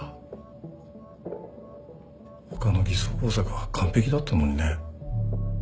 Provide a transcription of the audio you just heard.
他の偽装工作は完璧だったのにね。